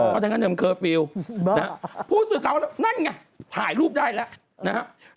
เพราะฉะนั้นเนี่ยมันเคอร์ฟิลล์ผู้สื่อข่าวแล้วนั่นไงถ่ายรูปได้แล้วนะครับ